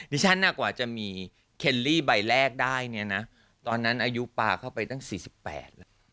ฉันน่ะกว่าจะมีเคลลี่ใบแรกได้เนี่ยนะตอนนั้นอายุปลาเข้าไปตั้ง๔๘แล้ว